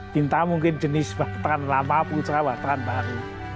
tinta mungkin jenis batran lama pulsa batran baru